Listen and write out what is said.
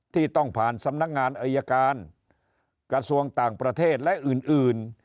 ที่ต้องผ่านสำนักงานอายการกระทรวงต่างประเทศและอื่น